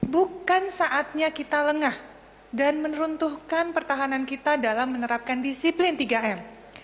bukan saatnya kita lengah dan meneruntuhkan pertahanan kita dalam menerapkan disiplin tiga m